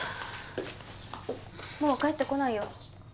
もう帰ってこないよ。